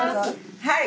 はい。